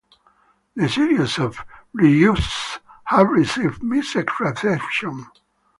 The series of reissues has received mixed reception.